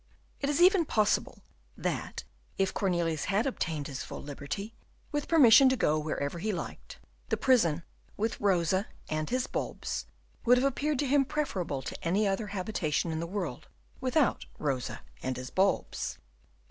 It is even probable that, if Cornelius had obtained his full liberty, with permission to go wherever he liked, the prison, with Rosa and his bulbs, would have appeared to him preferable to any other habitation in the world without Rosa and his bulbs.